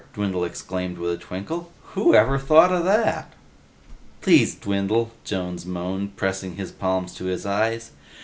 Dwindle exclaimed with a twinkle. "Whoever thought of that!" "Please, Dwindle," Jones moaned, pressing his palms to his eyes.